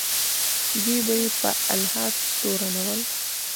دوی به یې په الحاد تورنول.